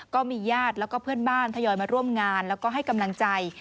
ก็มีญาติแล้วก็เพื่อนบ้านทยอยมาร่วมงานแล้วก็ให้กำลังใจ